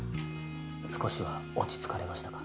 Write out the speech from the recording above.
少しは落ち着かれましたか？